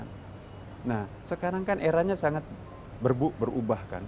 nah sekarang kan eranya sangat berubah kan